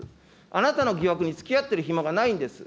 あなたの疑惑につきあってる暇がないんです。